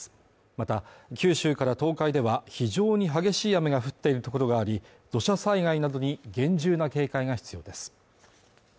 また九州から東海では非常に激しい雨が降っている所があり土砂災害などに厳重な警戒が必要です